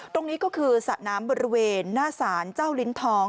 ตรงนี้ก็คือสระน้ำบริเวณหน้าศาลเจ้าลิ้นทอง